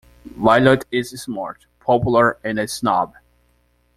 Violet is smart, popular, and a snob.